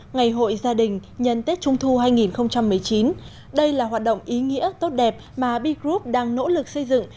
ngày hội gia đình nhân tết trung thu hai nghìn một mươi chín đây là hoạt động ý nghĩa tốt đẹp mà b group đang nỗ lực xây dựng